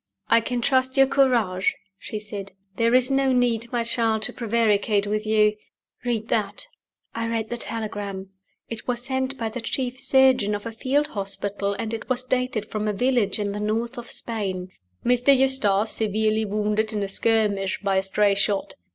"I can trust your courage," she said. "There is no need, my child, to prevaricate with you. Read that." I read the telegram. It was sent by the chief surgeon of a field hospital; and it was dated from a village in the north of Spain. "Mr. Eustace severely wounded in a skirmish by a stray shot.